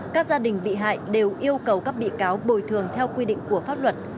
các gia đình bị hại đều yêu cầu các bị cáo bồi thường theo quy định của pháp luật